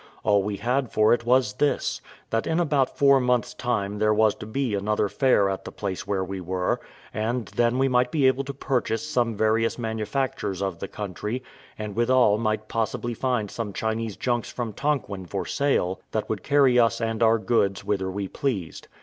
All we had for it was this: that in about four months' time there was to be another fair at the place where we were, and then we might be able to purchase various manufactures of the country, and withal might possibly find some Chinese junks from Tonquin for sail, that would carry us and our goods whither we pleased.